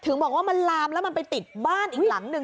บอกว่ามันลามแล้วมันไปติดบ้านอีกหลังหนึ่ง